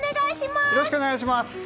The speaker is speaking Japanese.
お願いします。